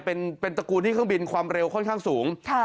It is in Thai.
เป็นตระกูลที่เครื่องบินความเร็วค่อนข้างสูง